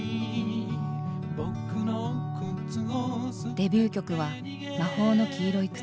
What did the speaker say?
デビュー曲は「魔法の黄色い靴」。